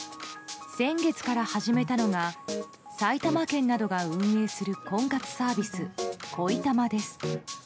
先月から始めたのが埼玉県などが運営する婚活サービス、恋たまです。